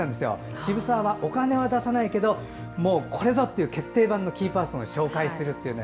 渋沢はお金は出さないけどこれぞっていう決定打のキーパーソンを紹介するというね。